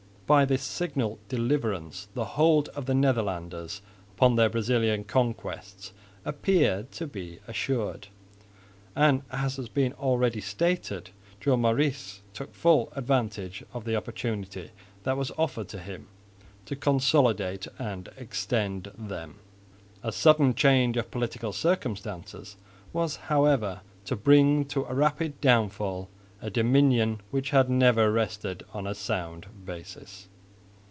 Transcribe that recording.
By this signal deliverance the hold of the Netherlanders upon their Brazilian conquests appeared to be assured; and, as has been already stated, Joan Maurice took full advantage of the opportunity that was offered to him to consolidate and extend them. A sudden change of political circumstances was, however, to bring to a rapid downfall a dominion which had never rested on a sound basis.